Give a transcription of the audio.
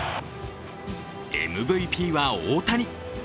ＭＶＰは大谷。